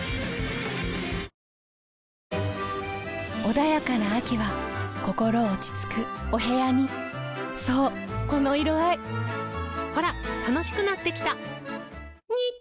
穏やかな秋は心落ち着くお部屋にそうこの色合いほら楽しくなってきた！